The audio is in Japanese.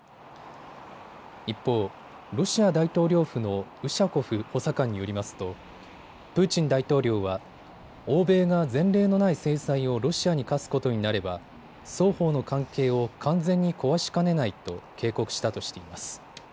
一方、ロシア大統領府のウシャコフ補佐官によりますとプーチン大統領は欧米が前例のない制裁をロシアに科すことになれば双方の関係を完全に壊しかねないと警告したとしています。